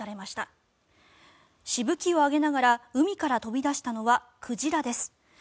しぶきを上げながら海から飛び出したのは鯨です。